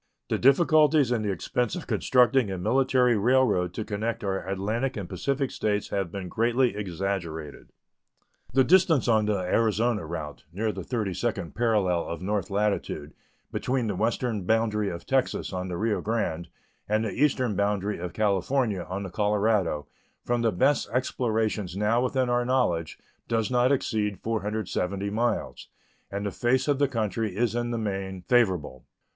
The difficulties and the expense of constructing a military railroad to connect our Atlantic and Pacific States have been greatly exaggerated. The distance on the Arizona route, near the thirty second parallel of north latitude, between the western boundary of Texas, on the Rio Grande, and the eastern boundary of California, on the Colorado, from the best explorations now within our knowledge, does not exceed 470 miles, and the face of the country is in the main favorable.